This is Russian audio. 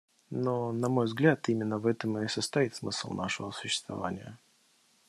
Но, на мой взгляд, именно в этом и состоит смысл нашего существования.